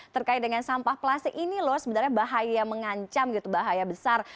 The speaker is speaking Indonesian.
terkait dengan sampah plastik ini loh sebenarnya bahaya mengancam gitu bahaya besar